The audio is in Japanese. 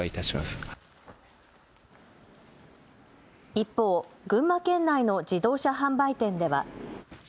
一方、群馬県内の自動車販売店では。